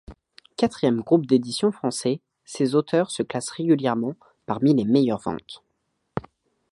Quatrième groupe d'édition français, ses auteurs se classent régulièrement parmi les meilleures ventes.